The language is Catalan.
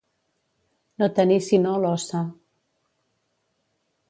No tenir sinó l'ossa.